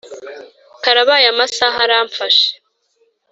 Karabaye amasaha aramfashe